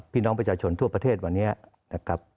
พี่น้องประชาชนทั่วประเทศวันนี้นะครับ